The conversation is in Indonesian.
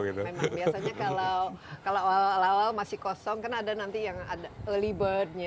memang biasanya kalau awal awal masih kosong kan ada nanti yang ada libertnya